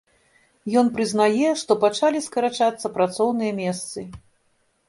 Ён прызнае, што пачалі скарачацца працоўныя месцы.